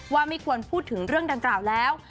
ว่าไม่ควรพูดถึงเรื่องดังกล่าวแล้ว